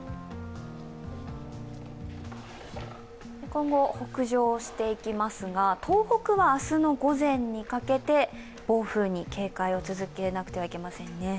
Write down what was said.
今後、北上していきますが東北は明日の午前にかけて暴風に警戒を続けなくてはいけません。